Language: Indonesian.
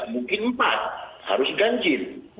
mungkin empat harus ganjil